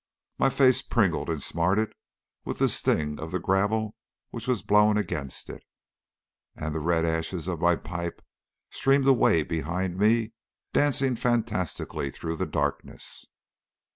My face pringled and smarted with the sting of the gravel which was blown against it, and the red ashes of my pipe streamed away behind me, dancing fantastically through the darkness.